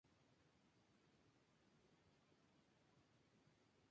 El Cubo fue construido como una prisión para supervillanos irradiados.